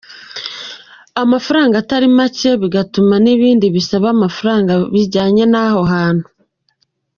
amafaranga atari make bigatuma nbindi bisaba amafaranga bijyanye naho hantu.